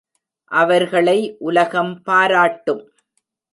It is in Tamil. அவர்களை உலகம் பாராட்டும்.